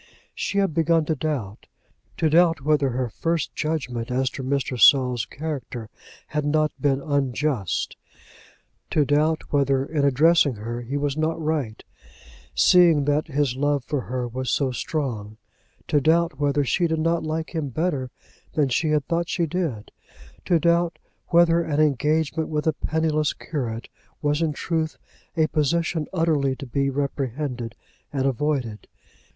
She had begun to doubt; to doubt whether her first judgment as to Mr. Saul's character had not been unjust, to doubt whether, in addressing her, he was not right, seeing that his love for her was so strong, to doubt whether she did not like him better than she had thought she did, to doubt whether an engagement with a penniless curate was in truth a position utterly to be reprehended and avoided.